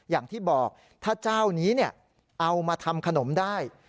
อย่างที่บอกถ้าเจ้านี้เอามาทำขนมได้